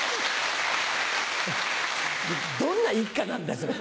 どんな一家なんだよそれ。